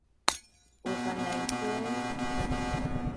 uqaljai sun?